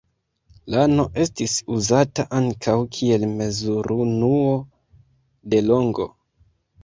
Lano estis uzata ankaŭ kiel mezurunuo de longo.